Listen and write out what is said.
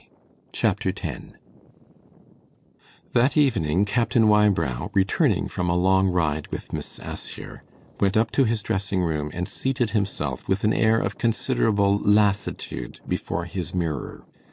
Chapter 10 That evening Captain Wybrow, returning from a long ride with Miss Assher, went up to his dressing room, and seated himself with an air of considerable lassitude before his mirror.